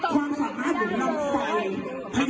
ความสามารถหนูนำรอยไฟพยายามน่ากันหนึ่งตัว